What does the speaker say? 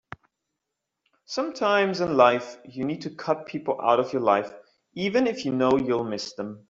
Sometimes in life you need to cut people out of your life even if you know you'll miss them.